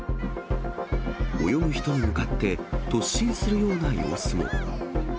泳ぐ人に向かって突進するような様子も。